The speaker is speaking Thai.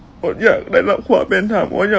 สุขภาพจิตอดเสียไปเลยนะครับทุกคนรู้สึกแย่มากมากมากมาก